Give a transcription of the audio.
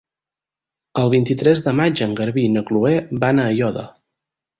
El vint-i-tres de maig en Garbí i na Chloé van a Aiòder.